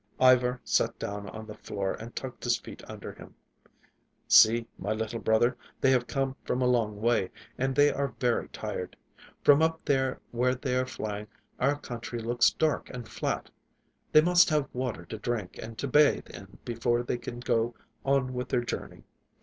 Ivar sat down on the floor and tucked his feet under him. "See, little brother, they have come from a long way, and they are very tired. From up there where they are flying, our country looks dark and flat. They must have water to drink and to bathe in before they can go on with their journey.